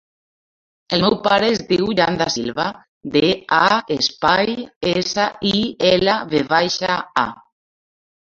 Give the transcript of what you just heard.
El meu pare es diu Jan Da Silva: de, a, espai, essa, i, ela, ve baixa, a.